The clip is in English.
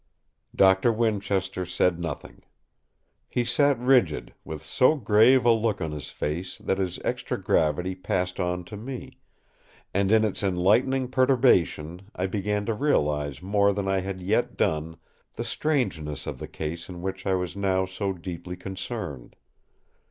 Doctor Winchester said nothing. He sat rigid, with so grave a look on his face that his extra gravity passed on to me; and in its enlightening perturbation I began to realise more than I had yet done the strangeness of the case in which I was now so deeply concerned.